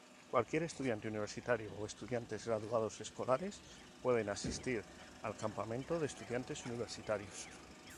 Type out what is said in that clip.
Cualquier estudiante universitario o estudiantes graduados escolares pueden asistir al campamento de Estudiantes Universitarios.